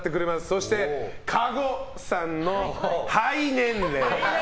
そして加護さんの肺年齢。